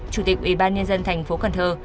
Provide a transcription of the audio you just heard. chủ tịch ubnd thành phố cần thơ